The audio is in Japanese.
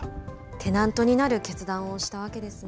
テナントになる決断をしたわけですね。